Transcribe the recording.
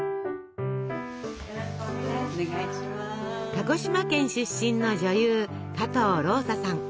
鹿児島県出身の女優加藤ローサさん。